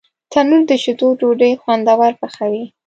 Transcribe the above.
تنور د شیدو ډوډۍ خوندور پخوي